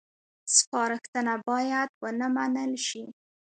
سپارښتنه باید ونه منل شي